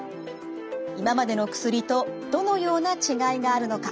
今までの薬とどのような違いがあるのか。